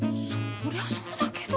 そりゃそうだけど。